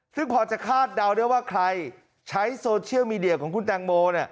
ซึ่งพอจะคาดเดาได้ว่าใครใช้โซเชียลมีเดียของคุณแตงโม